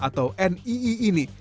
atau nii ini